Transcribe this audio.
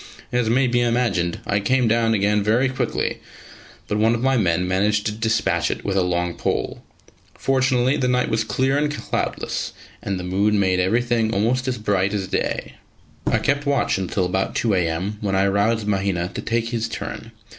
As may be imagined, I came down again very quickly, but one of my men managed to despatch it with a long pole. Fortunately the night was clear and cloudless, and the moon made every thing almost as bright as day. I kept watch until about 2 a.m., when I roused Mahina to take his turn.